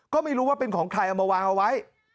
ก็ไม่รู้ว่าเป็นของใครเอามาวางเอาไว้